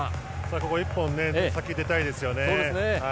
ここ１本先に入れたいですね。